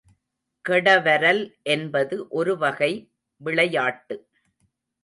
கெடவரல் என்பது ஒருவகை விளையாட்டு.